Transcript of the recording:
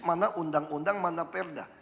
mana undang undang mana perda